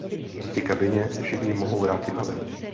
Díky kabině se všichni mohou vrátit na Zem.